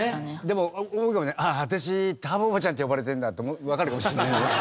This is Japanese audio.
でも「私ターボおばちゃんって呼ばれてるんだ」ってわかるかもしれないね。